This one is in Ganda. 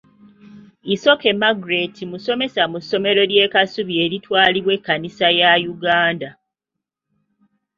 Isoke Margret musomesa mu ssomero ly'e Kasubi eritwalibwa ekkanisa ya Uganda.